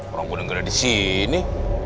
orang kudengar ada di sini